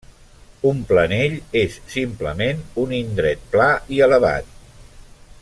Un planell és simplement un indret pla i elevat.